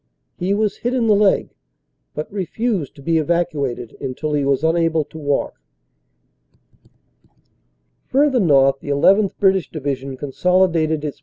He was hit in the leg but refused to be evacuated until he was unable to walk. Further north the llth. British Division consolidated its OPERATIONS: SEPT.